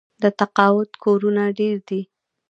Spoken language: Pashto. د تقاعد کورونه ډیر دي.